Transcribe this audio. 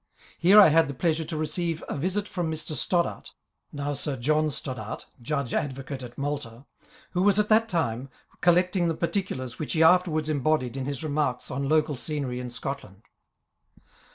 Here I had the pleasure to receive a visit from Mr. Stoddart, (now Sir John Stoddart, Judge Advocate at Malta,) who was at that time collecting the particulars which he afterwards embodied in his Remarks on Local Scenery in Scotland.